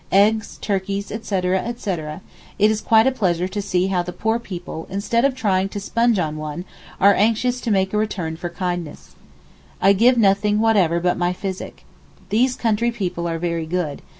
Eggs, turkeys, etc., etc., it is quite a pleasure to see how the poor people instead of trying to sponge on one are anxious to make a return for kindness. I give nothing whatever but my physick. These country people are very good.